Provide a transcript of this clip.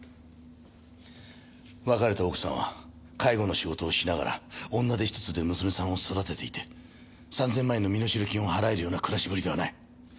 別れた奥さんは介護の仕事をしながら女手ひとつで娘さんを育てていて３千万円の身代金を払えるような暮らしぶりではない。